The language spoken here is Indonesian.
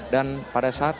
dan pada saat itu